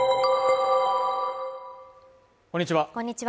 こんにちは